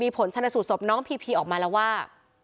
ผลชนสูตรศพน้องพีพีออกมาแล้วว่า